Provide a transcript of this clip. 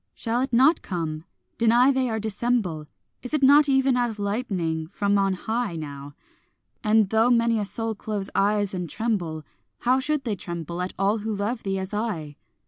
Shall it not come? deny they or dissemble, Is it not even as lightning from on high Now? and though many a soul close eyes and tremble, How should they tremble at all who love thee as I?